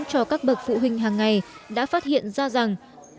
cho các bậc phụ huynh hàng ngày đã phát hiện ra rằng